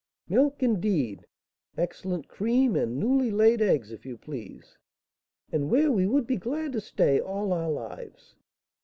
"Milk, indeed! Excellent cream, and newly laid eggs, if you please." "And where we would be glad to stay all our lives!"